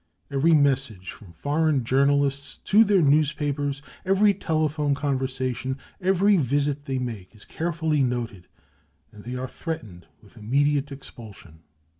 Every message from foreign journalists to their newspapers, every telephone conversation, every visit they make, is carefully noted, and they are threatened with immediate expulsion.